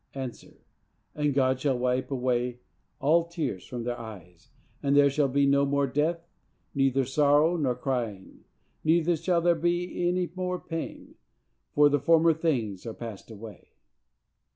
—A. "And God shall wipe away all tears from their eyes, and there shall be no more death, neither sorrow nor crying; neither shall there be any more pain; for the former things are passed away."